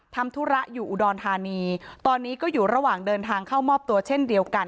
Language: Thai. ทำธุระอยู่อุดรธานีตอนนี้ก็อยู่ระหว่างเดินทางเข้ามอบตัวเช่นเดียวกัน